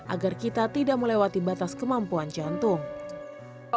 agar kita tidak melewati batas kemampuan jantung